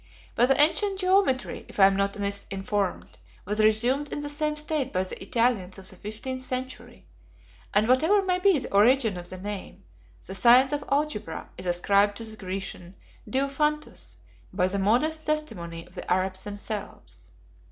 But the ancient geometry, if I am not misinformed, was resumed in the same state by the Italians of the fifteenth century; and whatever may be the origin of the name, the science of algebra is ascribed to the Grecian Diophantus by the modest testimony of the Arabs themselves.